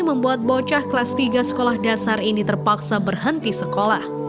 membuat bocah kelas tiga sekolah dasar ini terpaksa berhenti sekolah